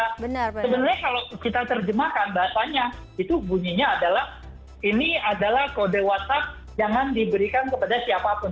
sebenarnya kalau kita terjemahkan bahasanya itu bunyinya adalah ini adalah kode whatsapp jangan diberikan kepada siapapun